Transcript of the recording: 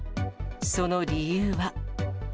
その理由は。